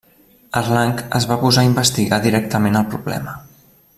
Erlang es va posar a investigar directament el problema.